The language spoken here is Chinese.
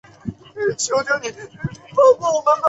克莱里圣昂德雷人口变化图示